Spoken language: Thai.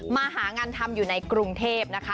มาหางานทำอยู่ในกรุงเทพนะคะ